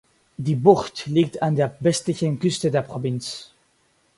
Die Bucht liegt an der westlichen Küste der Provinz.